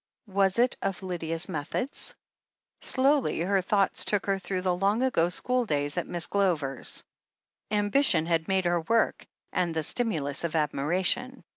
Was it of Lydia's methods? Slowly her thoughts took her through the long ago school days at Miss Glover's. Ambition had made her work, and the stimulus of admiration.